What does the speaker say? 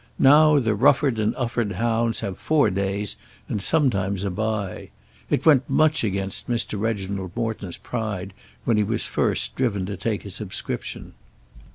Now the Rufford and Ufford hounds have four days, and sometimes a bye. It went much against Mr. Reginald Morton's pride when he was first driven to take a subscription.